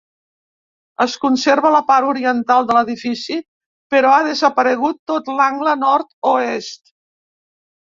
Es conserva la part oriental de l'edifici però ha desaparegut tot l'angle nord-oest.